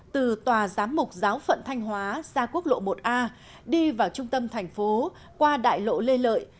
từ tòa giám mục giáo phận thanh hóa ra quốc lộ một a đi vào trung tâm thành phố qua đại lộ lê lợi